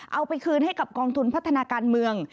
เอาไปคืนให้กับกองทุนพัฒนาการเมือง